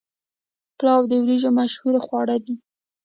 پلاو د وریجو مشهور خواړه دي.